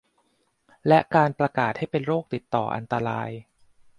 และการประกาศให้เป็นโรคติดต่ออันตราย